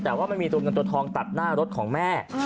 แต่ว่ามันมีตัวเงินตัวทองตัดหน้ารถของแม่